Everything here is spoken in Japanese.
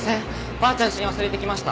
ばあちゃんちに忘れてきました。